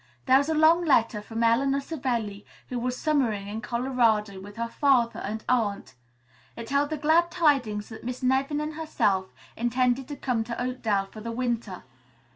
There was a long letter from Eleanor Savelli, who was summering in Colorado with her father and aunt. It held the glad tidings that Miss Nevin and herself intended to come to Oakdale for the winter.